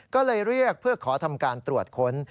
ก็เลยเรียกเพื่อขอทำการตรวจค้น